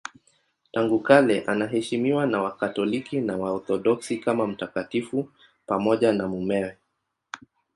Tangu kale anaheshimiwa na Wakatoliki na Waorthodoksi kama mtakatifu pamoja na mumewe.